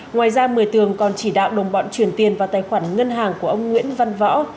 ngoài ra mười tường còn chỉ đạo đồng bọn chuyển tiền vào tài khoản ngân hàng của ông nguyễn văn võ